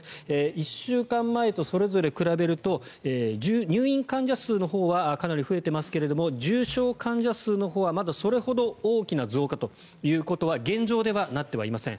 １週間前とそれぞれ比べると入院患者数のほうはかなり増えていますけれど重症患者数のほうはまだそれほど大きな増加ということは現状ではなってはいません。